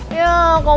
iya pacar belum